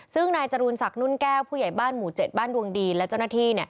ซึ่งนายจรูนศักดิ์นุ่นแก้วผู้ใหญ่บ้านหมู่๗บ้านดวงดีและเจ้าหน้าที่